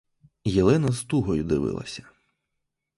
Єлена з тугою дивилася.